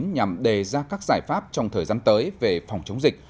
nhằm đề ra các giải pháp trong thời gian tới về phòng chống dịch